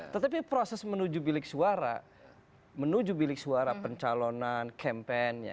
tetapi proses menuju bilik suara menuju bilik suara pencalonan campaign